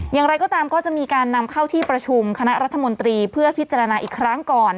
อย่างไรก็ตามก็จะมีการนำเข้าที่ประชุมคณะรัฐมนตรีเพื่อพิจารณาอีกครั้งก่อน